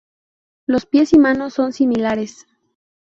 Los pies y manos son similares.